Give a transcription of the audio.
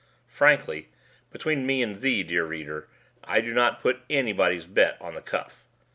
Frankly between me and thee, dear reader, I do not put anybody's bet on the cuff.